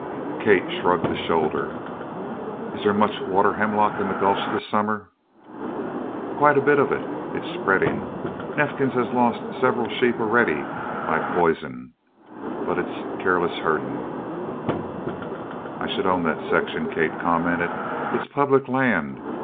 Kate shrugged a shoulder. "Is there much water hemlock in the gulch this summer?" "Quite a bit of it it's spreadin'. Neifkins has lost several sheep a'ready by poison, but it's careless herdin'." "I should own that section," Kate commented. "It's public land.